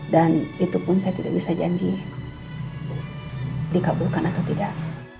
dan itu pun saya tidak bisa janji dikabulkan atau tidak